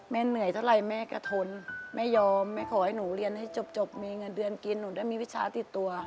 เหนื่อยเท่าไหร่แม่ก็ทนไม่ยอมแม่ขอให้หนูเรียนให้จบมีเงินเดือนกินหนูได้มีวิชาติดตัว